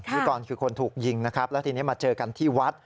นิกรคือคนถูกยิงนะครับแล้วทีนี้มาเจอกันที่วัด